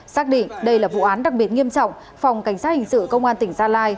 xác định đây là vụ án đặc biệt nghiêm trọng phòng cảnh sát hình sự công an tỉnh gia lai